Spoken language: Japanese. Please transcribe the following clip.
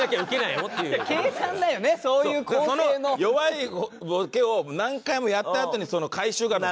弱いボケを何回もやったあとにその回収があるんですよ。